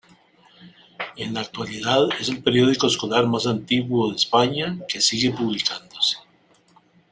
En la actualidad es el periódico escolar más antiguo de España que sigue publicándose.